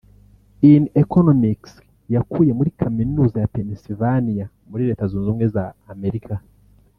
…in Economics yakuye muri Kaminuza ya Pennsylvania muri Leta Zunze Ubumwe za Amerika